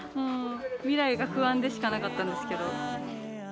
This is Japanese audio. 未来が不安でしかなかったんですけど。